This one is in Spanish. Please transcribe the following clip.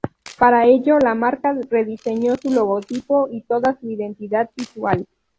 Para ello, la marca rediseñó su logotipo y toda su identidad visual.